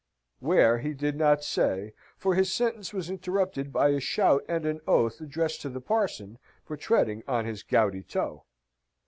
Where he did not say, for his sentence was interrupted by a shout and an oath addressed to the parson for treading on his gouty toe.